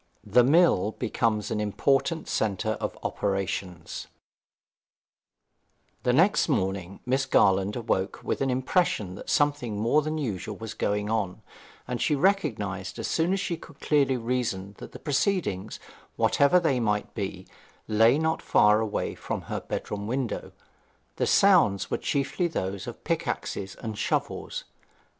THE MILL BECOMES AN IMPORTANT CENTRE OF OPERATIONS The next morning Miss Garland awoke with an impression that something more than usual was going on, and she recognized as soon as she could clearly reason that the proceedings, whatever they might be, lay not far away from her bedroom window. The sounds were chiefly those of pickaxes and shovels.